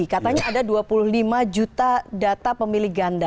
katanya ada dua puluh lima juta data pemilih ganda